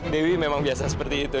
dewi memang biasa seperti itu